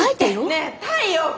ねえ太陽君！